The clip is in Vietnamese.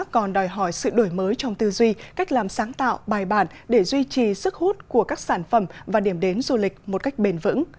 còn đòi hỏi sự đổi mới trong tư duy cách làm sáng tạo bài bản để duy trì sức hút của các sản phẩm và điểm đến du lịch một cách bền vững